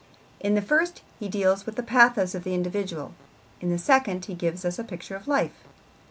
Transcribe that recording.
In the first he deals with the pathos of the individual, in the second he gives us a picture of life.